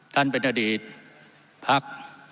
ท่านเบนดีตพรรค